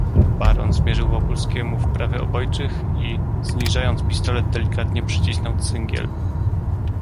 "Baron zmierzył Wokulskiemu w prawy obojczyk i, zniżając pistolet, delikatnie przycisnął cyngiel."